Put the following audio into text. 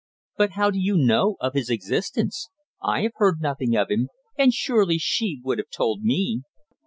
"But how do you know of his existence? I have heard nothing of him, and surely she would have told me.